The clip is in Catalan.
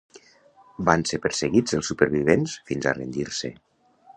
Van ser perseguits els supervivents fins a rendir-se.